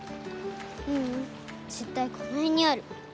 ううん絶対この辺にある。